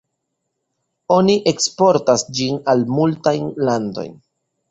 Oni eksportas ĝin al multajn landojn.